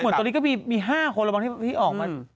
เหมือนตอนนี้ก็มี๕คนที่ออกมา